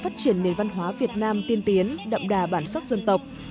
chuyển nền văn hóa việt nam tiên tiến đậm đà bản sắc dân tộc